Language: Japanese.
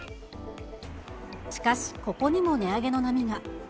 しかしここにも値上げの波が。